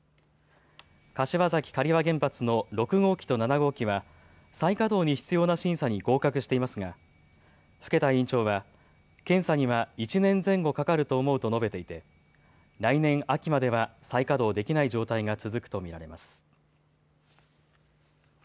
柏崎刈羽原発の６号機と７号機は再稼働に必要な審査に合格していますが更田委員長は検査には１年前後かかると思うと述べていて来年秋までは再稼働できない状態が続くと見られます。